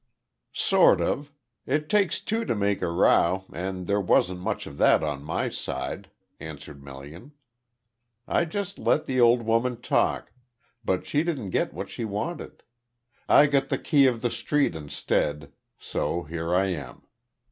"Sort of. It takes two to make a row, and there wasn't much of that on my side," answered Melian. "I just let the old woman talk, but she didn't get what she wanted. I got the key of the street instead so, here I am.